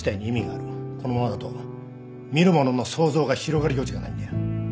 このままだと見る者の想像が広がる余地がないんだよ。